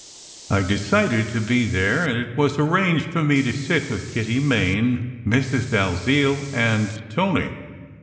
I decided to be there; and it was arranged for me to sit with Kitty Main, Mrs. Dalziel, and Tony.